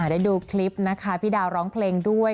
ได้ดูคลิปนะคะพี่ดาวร้องเพลงด้วย